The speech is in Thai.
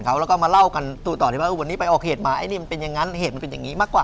แล้วก็ไปเล่าก่อนในที่มันออกให้เหตุมา